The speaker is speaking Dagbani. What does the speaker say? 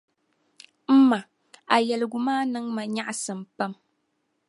M ma, a yɛligu maa niŋ ma nyaɣisim pam.